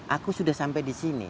aku sudah sampai disini